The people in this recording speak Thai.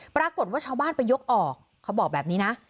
ปรากฏว่าชาวบ้านไปยกออกเขาบอกแบบนี้นะ